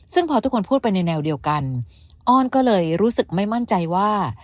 ซึ่งพอทุกคนพูดไปในแนวเดียวกันอ้อนก็เลยรู้สึกไม่มั่นใจว่า